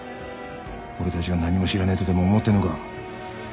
俺たちが何も知らないとでも思ってんのか？